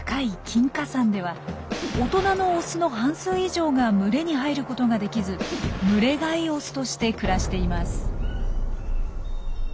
金華山では大人のオスの半数以上が群れに入ることができず「群れ外オス」として暮らしています。